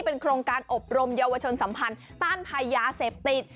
เป็นโครงการอบรมเยาวชนสัมพันธ์ต้านภัยยาเสพติด